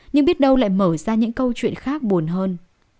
nhưng biết đâu lại mở ra những câu chuyện khác buồn hơn